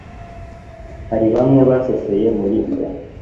hari bamwe baseseye muri twe